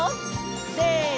せの！